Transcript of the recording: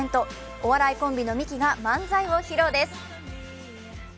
お笑いコンビのミキが漫才を披露です。